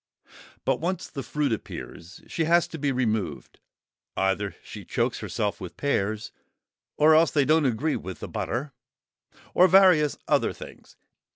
But once the fruit appears, she has to be removed; either she chokes herself with pears, or else they don't agree with the butter; or various other things.